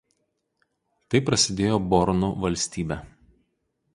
Taip prasidėjo Bornu valstybė.